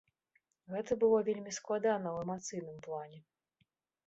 Гэта было вельмі складана ў эмацыйным плане.